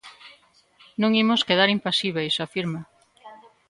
Non imos quedar impasíbeis, afirma.